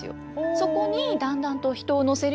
そこにだんだんと人を乗せるようになって。